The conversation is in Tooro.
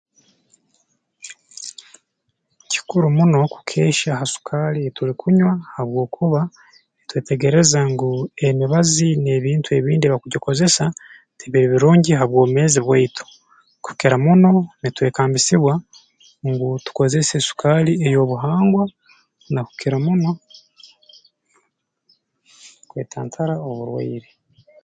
Kikuru muno kukeehya ha sukaali ei turukunywa habwokuba twetegereze ngu emibazi n'ebintu ebindi ebi bakugikozesa tibiri birungi ha bwomeezi bwaitu kukira muno nitwekambisibwa ngu tukozese sukaali ey'obuhangwa nakukira muno kwetantara oburwaire